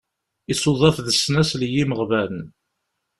Isuḍaf d snasel i yimeɣban.